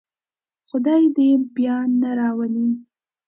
خدای دې یې بیا نه راولي.